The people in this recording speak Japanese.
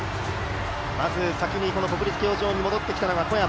まず、先にこの国立競技場に戻ってきたのが小山。